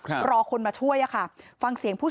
มีชายแปลกหน้า๓คนผ่านมาทำทีเป็นช่วยค่างทาง